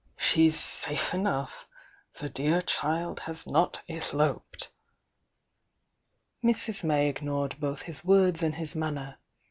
"She's safe enough. The 'dear child' has not eloped!" Mrs. May ignored both his words and his man ner.